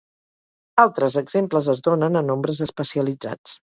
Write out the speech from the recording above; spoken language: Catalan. Altres exemples es donen a Nombres especialitzats.